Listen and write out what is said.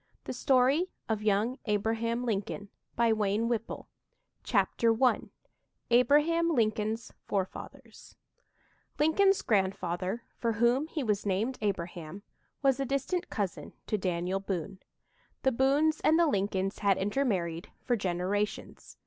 THE STORY OF YOUNG ABRAHAM LINCOLN CHAPTER I ABRAHAM LINCOLN'S FOREFATHERS Lincoln's grandfather, for whom he was named Abraham, was a distant cousin to Daniel Boone. The Boones and the Lincolns had intermarried for generations.